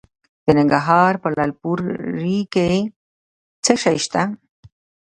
د ننګرهار په لعل پورې کې څه شی شته؟